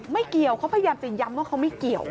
ไม่เกี่ยวเขาพยายามจะย้ำว่าเขาไม่เกี่ยว